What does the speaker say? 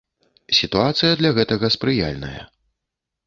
Сітуацыя для гэтага спрыяльная.